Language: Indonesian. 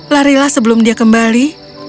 larilah sebelum dia kembali